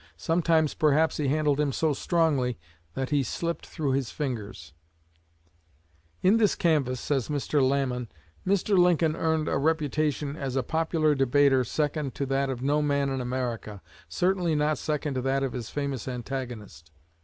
Sometimes, perhaps, he handled him so strongly that he slipped through his fingers." "In this canvass," says Mr. Lamon, "Mr. Lincoln earned a reputation as a popular debater second to that of no man in America certainly not second to that of his famous antagonist.